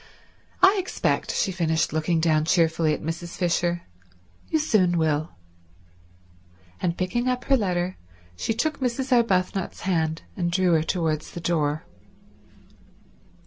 I expect," she finished looking down cheerfully at Mrs. Fisher, "you soon will." And picking up her letter she took Mrs. Arbuthnot's hand and drew her towards the door.